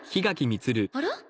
あら？